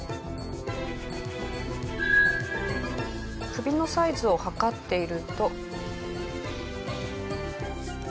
首のサイズを測っていると。